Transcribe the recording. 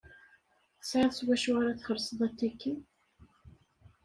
Tesɛiḍ s wacu ara txelseḍ atiki?